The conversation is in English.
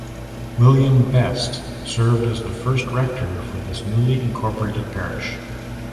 William Best served as the first rector for this newly incorporated parish.